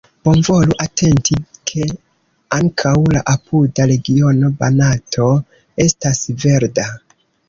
Bonvolu atenti, ke ankaŭ la apuda regiono Banato estas verda.